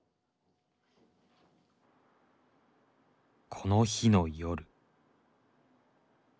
この日の夜。